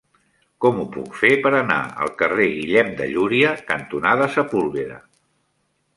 Com ho puc fer per anar al carrer Guillem de Llúria cantonada Sepúlveda?